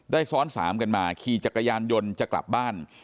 ซ้อนสามกันมาขี่จักรยานยนต์จะกลับบ้าน